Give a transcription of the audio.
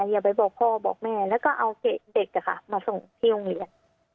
อย่าไปบอกพ่อบอกแม่แล้วก็เอาเด็กมาส่งที่โรงเรียน